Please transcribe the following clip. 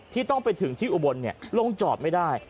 ที่ต้องไปถึงที่อุบลลงจอดไม่ได้